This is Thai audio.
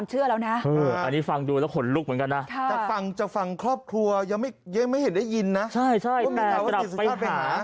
แต่กลับไปหา